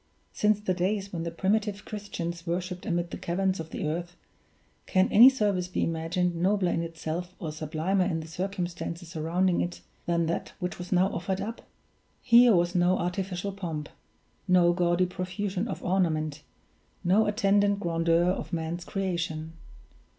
Since the days when the primitive Christians worshiped amid the caverns of the earth, can any service be imagined nobler in itself, or sublimer in the circumstances surrounding it, than that which was now offered up? Here was no artificial pomp, no gaudy profusion of ornament, no attendant grandeur of man's creation.